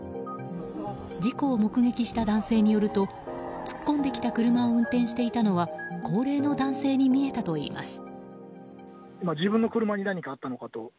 事故を目撃した男性によると突っ込んできた車を運転していたのは高齢の男性に見えたといいます。